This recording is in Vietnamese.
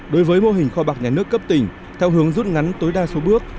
đối với mô hình kho bạc nhà nước cấp tỉnh theo hướng rút ngắn tối đa số bước